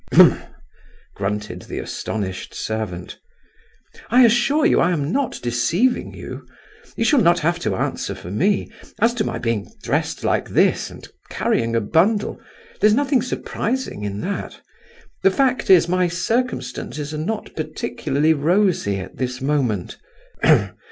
"H'm!" grunted the astonished servant. "I assure you I am not deceiving you; you shall not have to answer for me. As to my being dressed like this, and carrying a bundle, there's nothing surprising in that—the fact is, my circumstances are not particularly rosy at this moment."